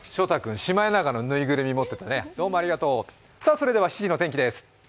それでは７時の天気です。